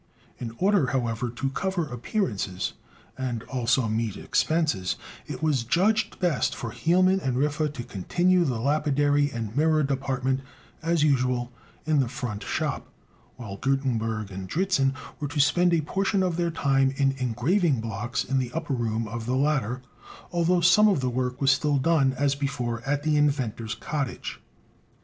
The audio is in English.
In order, however, to cover appearances, and also meet expenses, it was judged best for Hielman and Riffe to continue the lapidary and mirror department, as usual, in the front shop, while Gutenberg and Dritzhn were to spend a portion of their time in engraving blocks in the upper room of the latter, although some of the work was still done, as before, at the inventor's cottage.